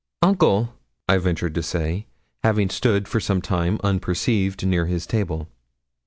'Uncle!' I ventured to say, having stood for some time unperceived near his table.